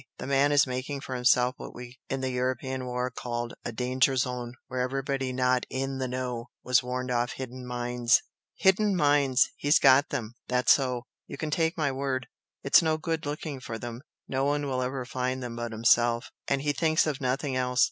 The man is making for himself what we in the European war called a 'danger zone,' where everybody not 'in the know' was warned off hidden mines. Hidden mines! He's got them! That's so! You can take my word! It's no good looking for them, no one will ever find them but himself, and he thinks of nothing else.